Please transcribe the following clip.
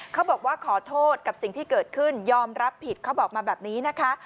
เขาบอกว่าขอโทษกับสิ่งที่เกิดขึ้นยอมรับผิดเขาบอกมาแบบนี้นะคะ